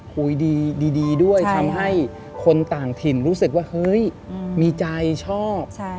คุยดีด้วยทำให้คนต่างถิ่นรู้สึกว่าเฮ้ยมีใจชอบ